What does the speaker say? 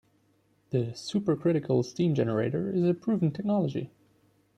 The supercritical steam generator is a proven technology.